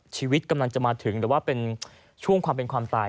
ชีวิตกำลังจะมาถึงหรือว่าเป็นช่วงความเป็นความตาย